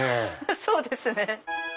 そうですね。